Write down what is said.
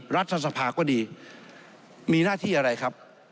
รัฐสภาก็ดีมีหน้าที่อะไรครับ